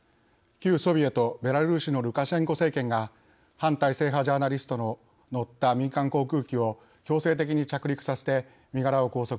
旧ソビエトベラルーシのルカシェンコ政権が反体制派ジャーナリストの乗った民間航空機を強制的に着陸させて身柄を拘束しました。